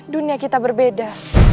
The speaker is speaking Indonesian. dunia kita berbeda